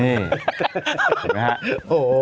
นี่นะฮะโห